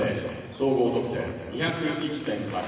総合得点２０１．８７」。